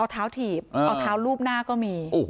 เอาเท้าถีบเอาเท้าลูบหน้าก็มี